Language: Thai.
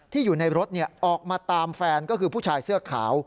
อยู่ในรถออกมาตามแฟนก็คือผู้ชายเสื้อขาว